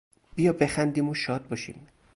بیا بخندیم و شاد باشیم!